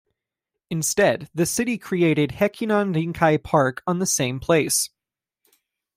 Instead, the city created Hekinan Rinkai Park on the same place.